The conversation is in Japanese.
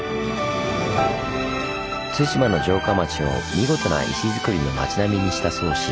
対馬の城下町を見事な石づくりの町並みにした宗氏。